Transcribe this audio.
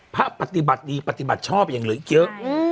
ปฏิบัติดีปฏิบัติชอบยังเหลืออีกเยอะ